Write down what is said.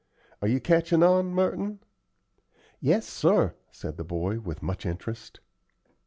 Are you catchin' on, Merton?" "Yes, sir," said the boy, with much interest.